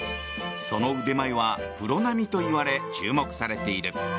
その腕前はプロ並みといわれ注目されている。